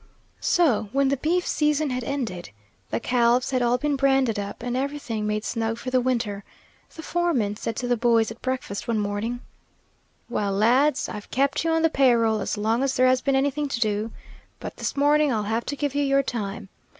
So when the beef season had ended, the calves had all been branded up and everything made snug for the winter, the foreman said to the boys at breakfast one morning, "Well, lads, I've kept you on the pay roll as long as there has been anything to do, but this morning I'll have to give you your time.